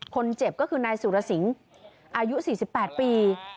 คนเจ็บก็คือนายสุระสิง฀์อายุสี่สิบแปดปี